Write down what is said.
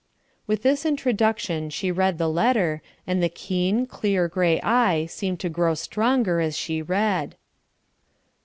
With this introduction she read the letter, and the keen, clear gray eye seemed to grow stronger as she read.